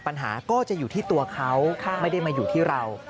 ปัญหาก็จะอยู่ที่ตัวเขาไม่ได้มาอยู่ที่เรา